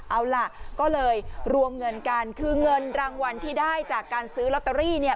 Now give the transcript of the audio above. เอาล่ะก็เลยรวมเงินกันคือเงินรางวัลที่ได้จากการซื้อลอตเตอรี่เนี่ย